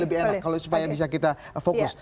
lebih enak kalau supaya bisa kita fokus